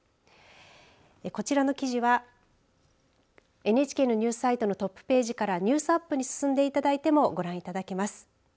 こちらの記事はＮＨＫのニュースサイトのトップページからニュースアップに進んでいただいてもご覧いただけます。